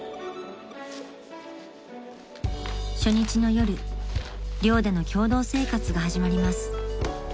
［初日の夜寮での共同生活が始まります］